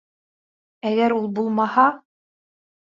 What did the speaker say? Әгәр ул булмаһа...